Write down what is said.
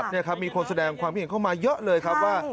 นี่ครับมีคนแสดงความคิดเห็นเข้ามาเยอะเลยครับว่า